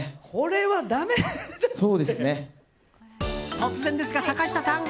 突然ですが、坂下さん。